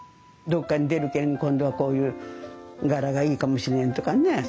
どっかに出るけん今度はこういう柄がいいかもしれんとかね